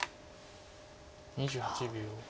２８秒。